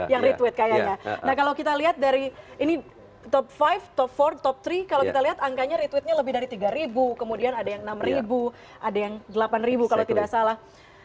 yang retweet kayaknya nah kalau kita lihat dari ini top lima top empat top tiga kalau kita lihat angkanya retweetnya lebih dari tiga ribu kemudian ada yang enam ribu ada yang delapan ribu kalau tidak salah